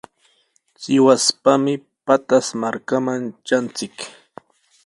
Sihuaspami Pataz markaman tranchik.